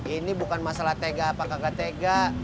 ini bukan masalah tega apa kakak tega